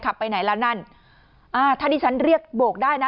ไปไหนแล้วนั่นอ่าถ้าที่ฉันเรียกโบกได้นะ